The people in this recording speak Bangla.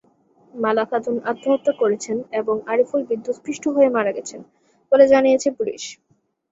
মালা খাতুন আত্মহত্যা করেছেন এবং আরিফুল বিদ্যুত্স্পৃষ্ট হয়ে মারা গেছেন বলে জানিয়েছে পুলিশ।